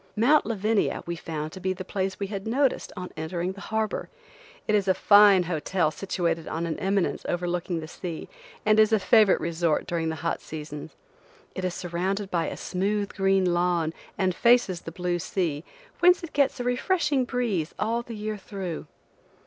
Mount Lavania we found to be the place we had noticed on entering the harbor. It is a fine hotel situated on an eminence overlooking the sea, and is a favorite resort during the hot seasons. It is surrounded by a smooth green lawn and faces the blue sea, whence it gets a refreshing breeze all the year through.